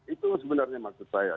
itu sebenarnya maksud saya